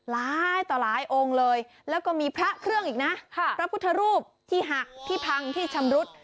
หลายต่อหลายองค์เลยแล้วก็มีพระเครื่องอีกนะพระพุทธรูปที่หักที่พังที่ชำรุด